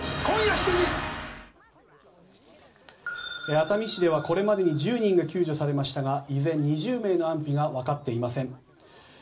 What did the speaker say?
熱海市ではこれまでに１０人が救助されましたが依然、２０名の安否が分かっていません。